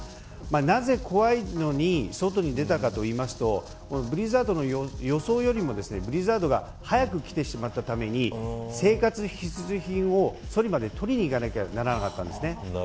なぜ怖いのに外に出たかといいますと予想よりもブリザードが早く来てしまったために生活必需品を、そりまで取りに行かなきゃならなかったんですね。